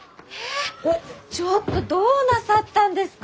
ちょっとどうなさったんですか？